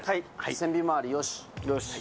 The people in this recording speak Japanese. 船尾周りよし。